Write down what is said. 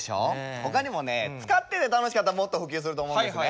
他にもね使ってて楽しかったらもっと普及すると思うんですね。